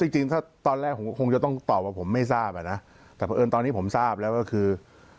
จริงตอนแรกคงจะต้องตอบว่าผมไม่ทราบแต่พอเอิญตอนนี้ผมทราบแล้วคือ